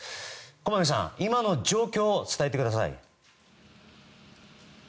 駒見さん、今の状況を伝えてください。